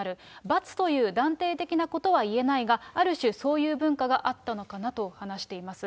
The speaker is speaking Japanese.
罰という断定的なことは言えないが、ある種そういう文化があったのかなと話しています。